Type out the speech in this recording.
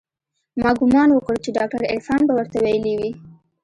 ما ګومان وکړ چې ډاکتر عرفان به ورته ويلي وي.